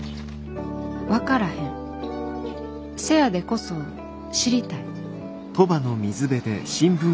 わからへんせやでこそ知りたい」。